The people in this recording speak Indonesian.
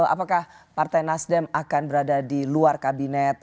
apakah partai nasdem akan berada di luar kabinet